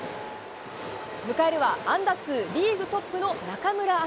迎えるは、安打数リーグトップの中村晃。